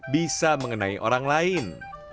bisa mengenai orang lain